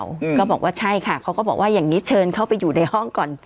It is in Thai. อืมก็บอกว่าใช่ค่ะเขาก็บอกว่าอย่างงี้เชิญเข้าไปอยู่ในห้องก่อน